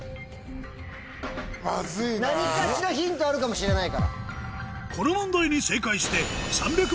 何かしらヒントあるかもしれない。